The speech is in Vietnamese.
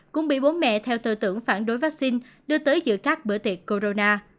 cũng bị bố mẹ theo tư tưởng phản đối vaccine đưa tới giữ các bữa tiệc corona